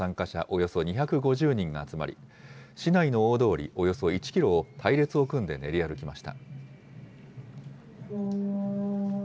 およそ２５０人が集まり、市内の大通り、およそ１キロを隊列を組んで練り歩きました。